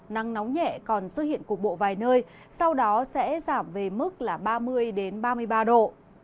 nắng nóng nhẹ còn xuất hiện cục bộ vài nơi sau đó sẽ giảm về mức là ba mươi ba mươi ba độ